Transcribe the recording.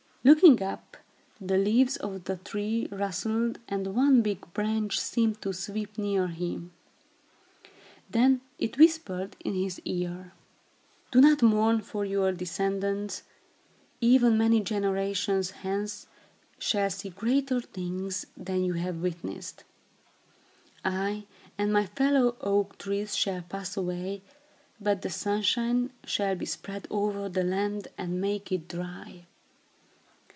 Looking up, the leaves of the tree rustled, and one big branch seemed to sweep near him. Then it whispered in his ear: "Do not mourn, for your descendants, even many generations hence, shall see greater things than you have witnessed. I and my fellow oak trees shall pass away, but the sunshine shall be spread over the land and make it dry.